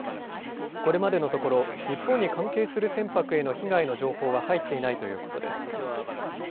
これまでのところ日本に関係する船舶への被害の情報は入っていないということです。